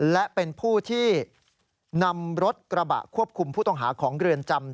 และเป็นผู้ที่นำรถกระบะควบคุมผู้ต้องหาของเรือนจำ